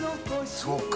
「そうか」